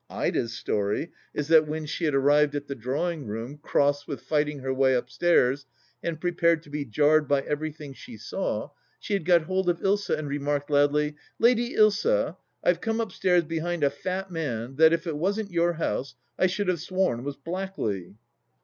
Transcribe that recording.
Ida's story is that when she had 88 THE LAST DITCH arrived at the drawing room, cross with fighting her way upstairs and prepared to be jarred by everything she saw, she had got hold of Ilsa and remarked loudly :" Lady Ilsa, I've come upstairs behind a fat man that, if it wasn't your house, I should have sworn was Blackley